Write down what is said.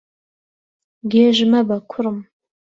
گێژ مەبە، کوڕم.